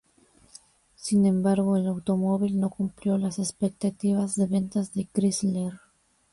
Sin embargo el automóvil no cumplió las expectativas de ventas de Chrysler.